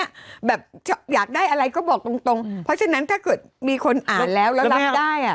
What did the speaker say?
แบบอยากได้อะไรก็บอกตรงตรงเพราะฉะนั้นถ้าเกิดมีคนอ่านแล้วแล้วรับได้อ่ะ